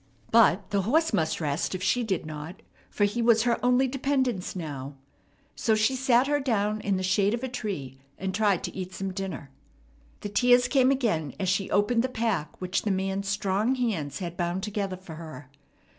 But the horse must rest if she did not, for he was her only dependence now. So she sat her down in the shade of a tree, and tried to eat some dinner. The tears came again as she opened the pack which the man's strong hands had bound together for her.